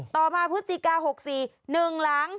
ต่อมาพฤศจิกา๖๔๑หลัง